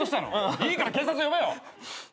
いいから警察呼べよ。